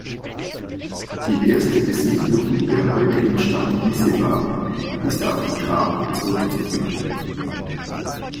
Die erste Besiedlung der heutigen Stadt Nessebar ist auf die Thraker zurückzuführen.